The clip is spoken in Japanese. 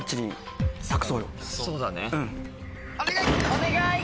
お願い！